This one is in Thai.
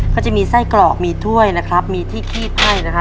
ก็จะมีไส้กรอกมีถ้วยนะครับมีที่คีบไพ่นะครับ